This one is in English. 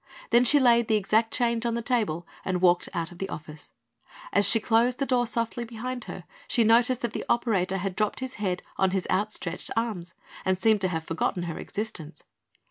Then she laid the exact change on the table and walked out of the office. As she closed the door softly behind her she noticed that the operator had dropped his head on his outstretched arms and seemed to have forgotten her existence.